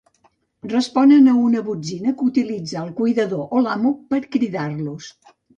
Responen a una botzina que utilitza el cuidador o l'amo per cridar-los.